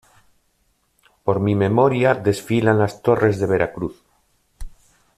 por mi memoria desfilan las torres de Veracruz